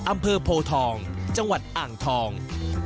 อำเภอโพทองจังหวัดอ่างทอง